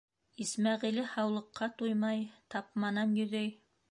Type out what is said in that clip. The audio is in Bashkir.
Исмәғиле һаулыҡҡа туймай, тапманан йөҙәй.